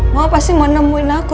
mau pasti mau nemuin aku